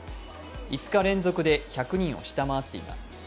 ５日連続で１００人を下回っています。